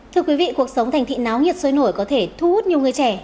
thưa quý vị cuộc sống thành thị náo nhiệt sôi nổi có thể thu hút nhiều người trẻ